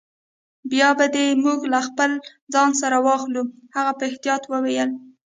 بیا به دي موږ له خپل ځان سره واخلو. هغه په احتیاط وویل.